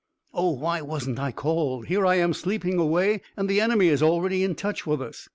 "Oh, why wasn't I called! Here I am sleeping away, and the enemy is already in touch with us!"